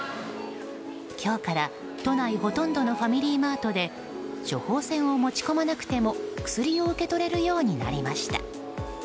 今日から、都内ほとんどのファミリーマートで処方箋を持ち込まなくても薬を受け取れるようになりました。